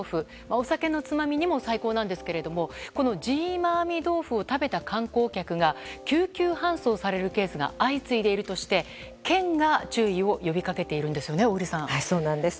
お酒のつまみにも最高なんですけれどもこのジーマーミー豆腐を食べた観光客が救急搬送されるケースが相次いでいるとして県が注意を呼び掛けているんですよねそうなんです。